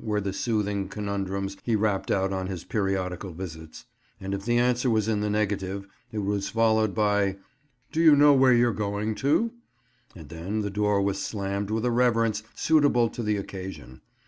were the soothing conundrums he rapped out on his periodical visits; and if the answer was in the negative, it was followed by "D'you know where you're going to?" and then the door was slammed with a reverence suitable to the occasion.